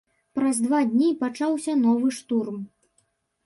Праз два дні пачаўся новы штурм.